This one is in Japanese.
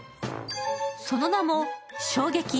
その名も衝撃